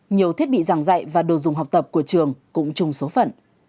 nhiều thiết bị giảng dạy và đồ dùng học tập của trường cũng chung số phận